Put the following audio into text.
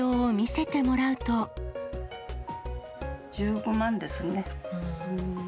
１５万ですね。